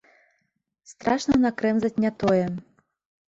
Страшна накрэмзаць не тое.